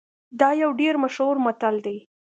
دا یو ډیر مشهور متل دی